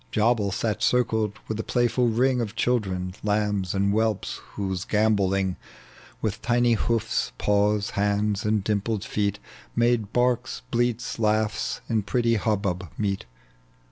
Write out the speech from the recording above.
Jabal sat circled with a playful ring Of children, lambs and whelps, whose gambolling, With tiny hoofs, paws, hands, and dimpled feet. Made barks, bleats, laughs, in pretty hubbub meet.